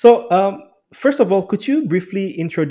sangat senang untuk berada di sini juga